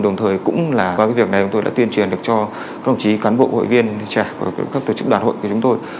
đồng thời cũng là qua việc này chúng tôi đã tuyên truyền được cho các đồng chí cán bộ hội viên trẻ và các tổ chức đoàn hội của chúng tôi